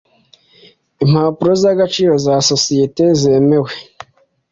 Impapuro z agaciro za sosiyeti zemewe